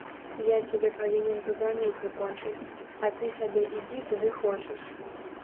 Я цябе павінен тут раней прыкончыць, а ты сабе ідзі куды хочаш.